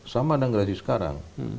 sama dengan gerasi sekarang